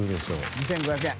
２５００円。